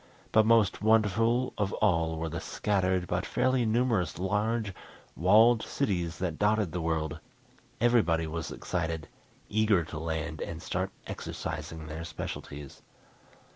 But most wonderful of all were the scattered, but fairly numerous large, walled cities that dotted the world. Everybody was excited, eager to land and start exercising their specialties.